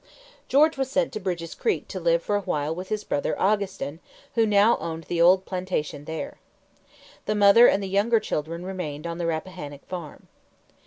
George was sent to Bridge's Creek to live for a while with his brother Augustine, who now owned the old home plantation there. The mother and the younger children remained on the Rappahannock farm.